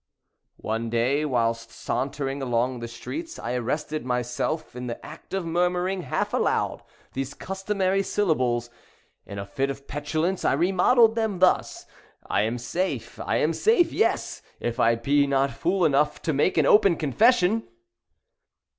One day, whilst sauntering along the streets, I arrested myself in the act of murmuring, half aloud, these customary syllables. In a fit of petulance, I remodelled them thus: "I am safe—I am safe—yes—if I be not fool enough to make open confession!"